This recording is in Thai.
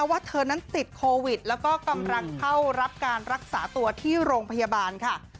ว่าเธอนั้นติดโควิดแล้วก็กำลังเข้ารับการรักษาตัวที่โรงพยาบาลค่ะ